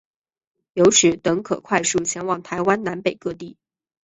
由此等可快速前往台湾南北各地。